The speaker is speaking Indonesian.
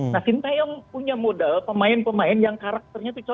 nah sintiung punya modal pemain pemain yang karakternya itu juga bagus